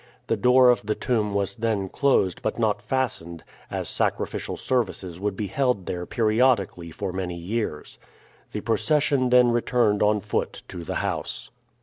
The door of the tomb was then closed, but not fastened, as sacrificial services would be held there periodically for many years. The procession then returned on foot to the house.